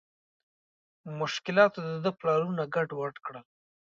مشکلاتو د ده پلانونه ګډ وډ کړل.